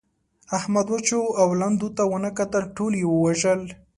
احمد وچو او لندو ته و نه کتل؛ ټول يې ووژل.